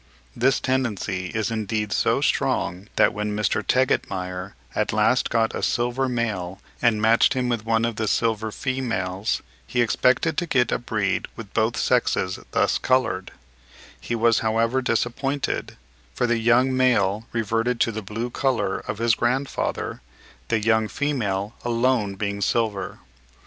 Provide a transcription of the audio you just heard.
This tendency is indeed so strong that when Mr. Tegetmeier at last got a silver male and matched him with one of the silver females, he expected to get a breed with both sexes thus coloured; he was however disappointed, for the young male reverted to the blue colour of his grandfather, the young female alone being silver.